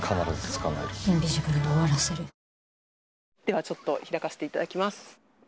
ではちょっと開かせていただきます